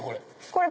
これ。